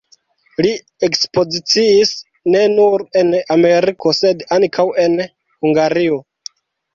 Li ekspoziciis ne nur en Ameriko, sed ankaŭ en Hungario.